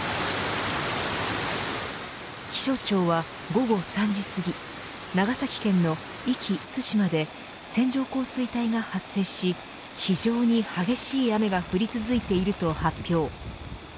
気象庁は午後３時すぎ長崎県の壱岐、対馬で線状降水帯が発生し非常に激しい雨が降り続いていると発表。